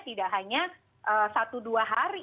tidak hanya satu dua hari